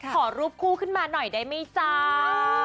ขอรูปคู่ขึ้นมาหน่อยได้ไหมจ้า